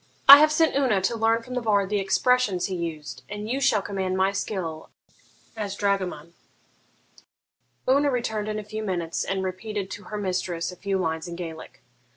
I have sent Una to learn from the bard the expressions he used, and you shall command my skill as dragoman.' Una returned in a few minutes, and repeated to her mistress a few lines in Gaelic.